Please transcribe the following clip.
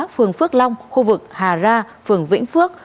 phường phước long khu vực hà ra phường vĩnh phước